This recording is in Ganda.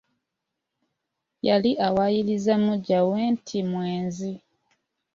Yali awaayiriza muggya we nti mwenzi.